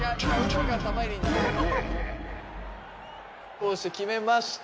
こうして決めました。